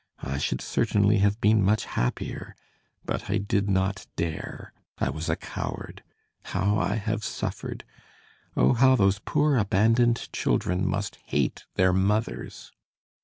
I should certainly have been much happier, but I did not dare, I was a coward. How I have suffered! Oh, how those poor, abandoned children must hate their mothers!"